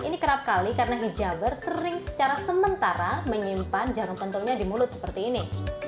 ini kerap kali karena hijaber sering secara sementara menyimpan jarum pentulnya di mulut seperti ini